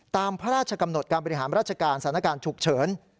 ตามพระราชกำหนดการบริหารราชการสถานการณ์ฉุกเฉิน